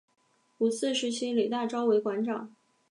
五四时期李大钊为馆长。